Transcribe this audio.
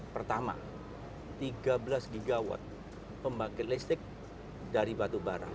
pertama tiga belas gigawatt pembangkit listrik dari batubara